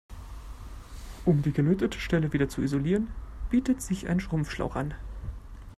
Um die gelötete Stelle wieder zu isolieren, bietet sich ein Schrumpfschlauch an.